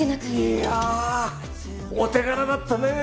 いやお手柄だったね。